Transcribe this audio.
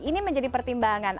ini menjadi pertimbangan